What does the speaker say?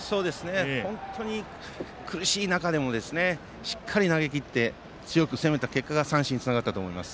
本当に苦しい中でもしっかり投げきって強く攻めた結果が三振につながったと思います。